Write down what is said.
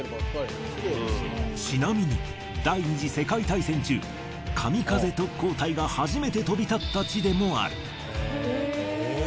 ちなみに第二次世界大戦中神風特攻隊が初めて飛び立った地でもある。